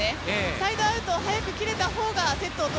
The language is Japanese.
サイドアウト早く切れたほうがセットを取